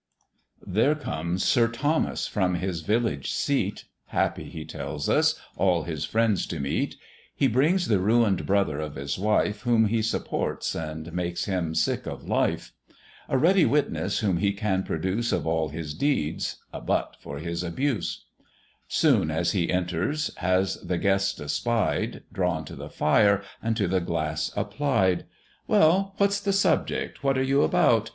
There comes Sir Thomas from his village seat, Happy, he tells us, all his friends to meet; He brings the ruin'd brother of his wife, Whom he supports, and makes him sick of life; A ready witness whom he can produce Of all his deeds a butt for his abuse; Soon as he enters, has the guests espied, Drawn to the fire, and to the glass applied "Well, what's the subject? what are you about?